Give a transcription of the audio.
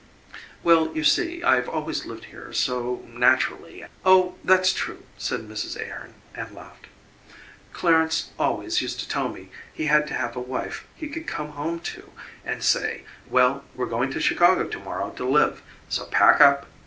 "Well, you see, I've always lived here, so, naturally " "Oh, that's true," said Mrs. Ahearn and laughed. Clarence always used to tell me he had to have a wife he could come home to and say: "Well, we're going to Chicago to morrow to live, so pack up."